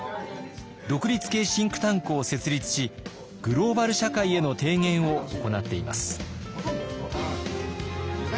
独立系シンクタンクを設立しグローバル社会への提言を行っています。